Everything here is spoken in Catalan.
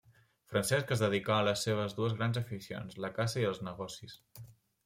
Francesc es dedicà a les seves dues grans aficions, la caça i els negocis.